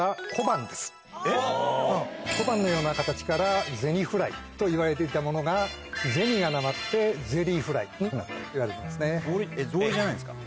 えっ？小判のような形から銭フライといわれていたものが銭がなまってゼリーフライになったといわれてますね。